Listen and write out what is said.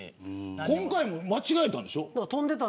今回も間違えたんでしょ。